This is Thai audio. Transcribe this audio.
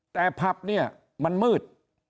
แต่ผับเนี่ยมันมืด